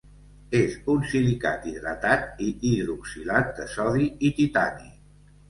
És un silicat hidratat i hidroxilat de sodi i titani.